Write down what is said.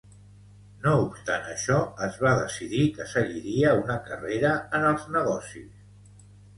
No obstant això, es va decidir que seguiria una carrera en els negocis.